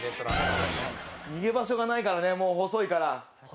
逃げ場所がないからねもう細いから。